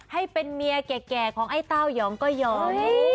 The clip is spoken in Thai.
ให้เป็นเมียแก่ของไอ้เต้ายองก็ยอม